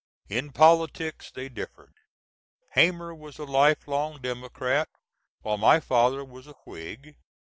In politics they differed. Hamer was a life long Democrat, while my father was a Whig.